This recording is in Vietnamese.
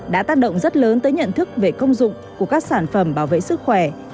đã tác động rất lớn tới nhận thức về công dụng của các sản phẩm bảo vệ sức khỏe